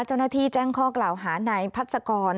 เจ้าหน้าที่แจ้งข้อกล่าวหานายพัศกร